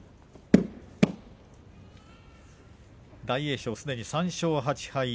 大栄翔、すでに３勝８敗